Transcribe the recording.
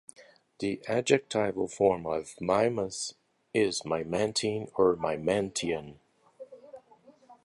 The adjectival form of Mimas is "Mimantean" or "Mimantian.